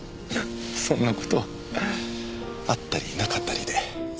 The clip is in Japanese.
そんな事あったりなかったりで。